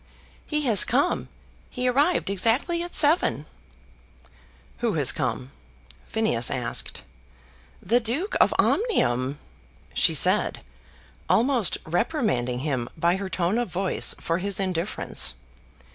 "He has come. He arrived exactly at seven!" "Who has come?" Phineas asked. "The Duke of Omnium!" she said, almost reprimanding him by her tone of voice for his indifference.